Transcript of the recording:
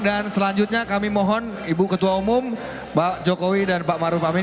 dan selanjutnya kami mohon ibu ketua umum mbak jokowi dan pak arun pakmin